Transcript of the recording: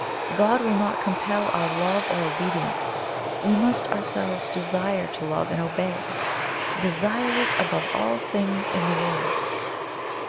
God will not COMPEL our love or obedience. We must ourselves DESIRE to love and obey DESIRE IT ABOVE ALL THINGS IN THE WORLD.